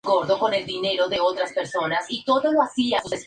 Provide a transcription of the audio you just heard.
Pero en vez de ser empleado de la firma, se convertiría en su socio.